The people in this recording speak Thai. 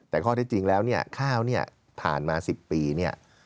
แต่ข้อที่จริงแล้วเนี่ยข้าวเนี่ยผ่านมา๑๐ปีเนี่ย